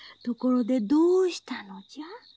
「ところでどうしたのじゃ？」